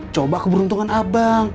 coba keberuntungan abang